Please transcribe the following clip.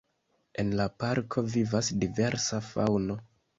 En la parko vivas diversa faŭno.